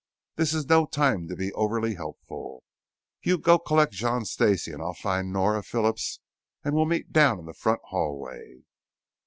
"This is no time to be overly helpful. You go collect John Stacey and I'll find Nora Phillips and we'll meet down in the front hallway."